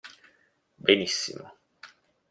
Benissimo.